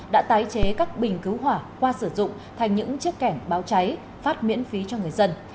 đã tái chế các bình cứu hỏa qua sử dụng thành những chiếc kẻm báo cháy phát miễn phí cho người dân